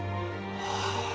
はあ。